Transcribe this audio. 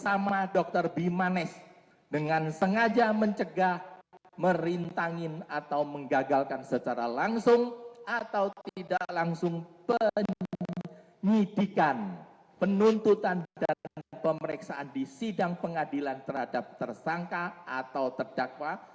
sama dokter bimanesh dengan sengaja mencegah merintangin atau menggagalkan secara langsung atau tidak langsung penyidikan penuntutan dan pemeriksaan di sidang pengadilan terhadap tersangka atau terdakwa